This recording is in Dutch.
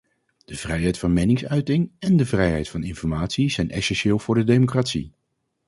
De vrijheid van meningsuiting en de vrijheid van informatie zijn essentieel voor de democratie.